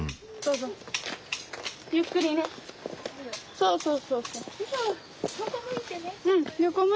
そうそう。